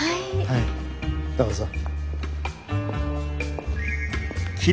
はいどうぞ。